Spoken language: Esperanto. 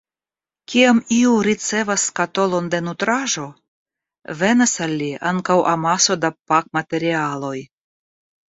Kiam iu ricevas skatolon da nutraĵo, venas al li ankaŭ amaso da pakmaterialoj.